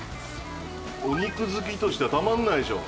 お肉好きとしてはたまんないでしょ